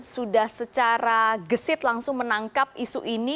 sudah secara gesit langsung menangkap isu ini